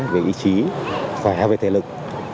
về ý chí khỏe về thể lực